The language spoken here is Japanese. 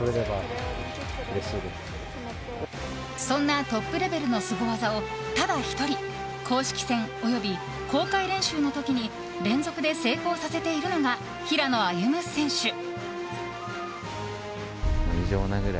そんなトップレベルのスゴ技をただ１人公式戦および公開練習の時に連続で成功させているのが平野歩夢選手。